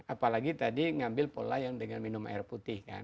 apalagi tadi ngambil pola yang dengan minum air putih kan